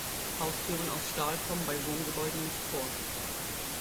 Haustüren aus Stahl kommen bei Wohngebäuden nicht vor.